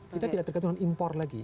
kita tidak tergantung dengan impor lagi